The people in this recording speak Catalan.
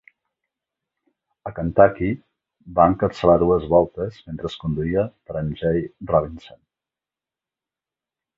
A Kentucky, va encapçalar dues voltes mentre conduïa per a Jay Robinson.